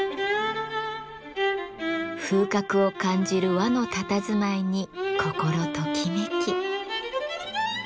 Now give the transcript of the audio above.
風格を感じる和のたたずまいに心ときめき。